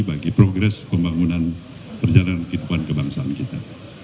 bagi progres pembangunan perjalanan kehidupan kebangsaan kita